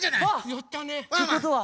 やったね！ってことは。